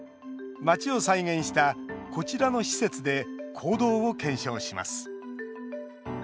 街を再現した、こちらの施設で行動を検証します。